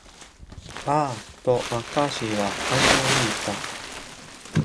「ああ」とマッカーシーは寛容に言った。